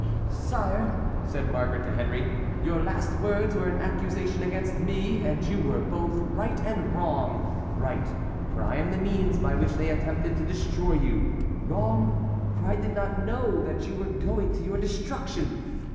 "Sire," said Marguerite to Henry, "your last words were an accusation against me, and you were both right and wrong,—right, for I am the means by which they attempted to destroy you; wrong, for I did not know that you were going to your destruction.